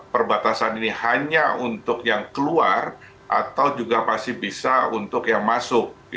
perbatasan ini hanya untuk yang keluar atau juga pasti bisa untuk yang masuk